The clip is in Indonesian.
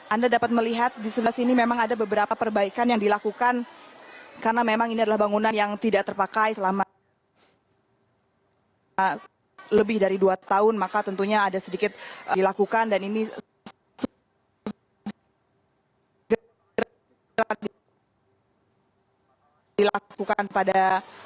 anda dapat melihat di sebelah sini memang ada beberapa perbaikan yang dilakukan karena memang ini adalah bangunan yang tidak terpakai selama lebih dari dua tahun maka tentunya ada sedikit dilakukan dan ini sedikit bergerak di dalam perjalanan